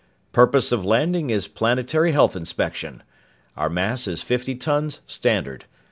"Purpose of landing is planetary health inspection. Our mass is fifty tons, standard.